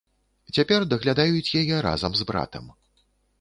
Цяпер даглядаюць яе разам з братам.